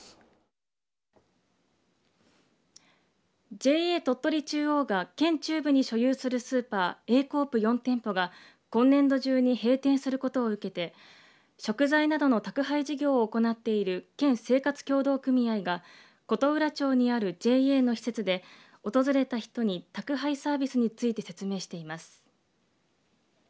ＪＡ鳥取中央が県中部に所有するスーパーＡコープ４店舗が今年度中に閉店することを受けて食材などの宅配事業を行っている県生活協同組合が琴浦町にあるＪＡの施設で訪れた人に宅配サービスについて説明しています。